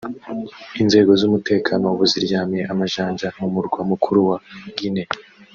Inzego z’umutekano ubu ziryamiye amajanja mu murwa mukuru wa Guinée